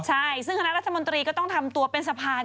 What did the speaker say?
ใช่ซึ่งคณะรัฐมนตรีก็ต้องทำตัวเป็นสะพาน